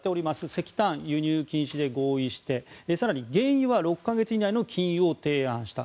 石炭は輸入禁止で合意して原油は６か月以内の禁輸を提案した。